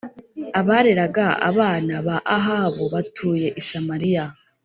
abareraga abana ba Ahabu batuye i Samariya